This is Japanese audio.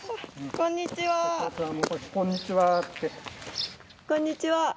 こんにちは。